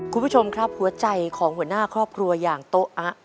คุณผู้ชมครับหัวใจของหัวหน้าครอบครัวอย่างโต๊ะอะ